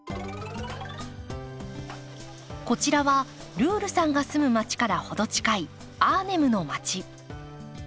こちらはルールさんが住む街から程近いアーネムの街。